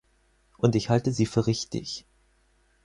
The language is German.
Und ich halte sie für richtig.